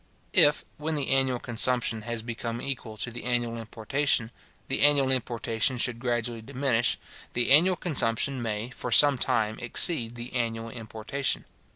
If, when the annual consumption has become equal to the annual importation, the annual importation should gradually diminish, the annual consumption may, for some time, exceed the annual importation.